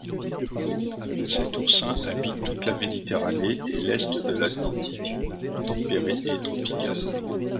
Cet oursin habite toute la Méditerranée et l'est de l'Atlantique tempéré et tropical.